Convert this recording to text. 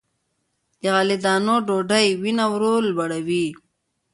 له غلې- دانو ډوډۍ وینه ورو لوړوي.